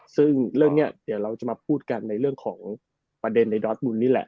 ซึ่งเรื่องนี้เดี๋ยวเราจะมาพูดกันในเรื่องของประเด็นในดอสบุญนี่แหละ